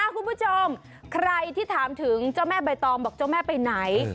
คุณผู้ชมใครที่ถามถึงเจ้าแม่ใบตองบอกเจ้าแม่ไปไหน